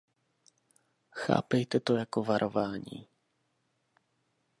Chápejte to jako varování.